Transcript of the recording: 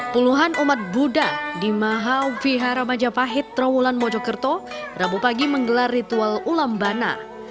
puluhan umat buddha di mahavihara majapahit trawulan mojokerto rabu pagi menggelar ritual ullambana